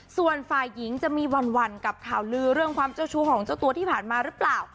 ส่วนฝ่ายหญิงจะมีหวั่นกับข่าวลือเรื่องความเจ้าชู้ของเจ้าตัวที่ผ่านมาหรือเปล่า